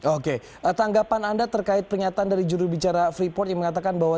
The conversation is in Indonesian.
oke tanggapan anda terkait pernyataan dari jurubicara freeport yang mengatakan bahwa